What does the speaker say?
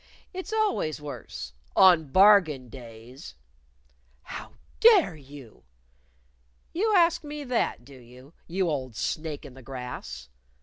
"It's always worse on bargain days." "How dare you!" "You ask me that, do you? you old snake in the grass!"